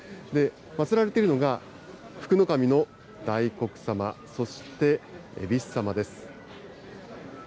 祭られているのが、福の神のだいこく様、そしてえびす様です。